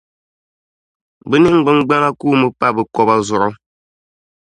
Bɛ niŋgbuŋgbana kuumi pa bɛ kɔba zuɣu.